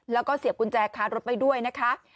แล้วก็เสียบกุญแจค้ารถไว้ด้วยนะคะ